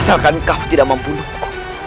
asalkan kau tidak membunuhku